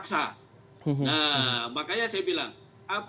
kalau ada kejahatan itu bisa dianggap